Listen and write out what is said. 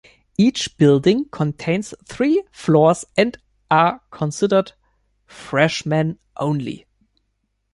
Each building contains three floors and are considered freshmen-only.